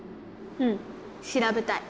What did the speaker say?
うんしらべたい。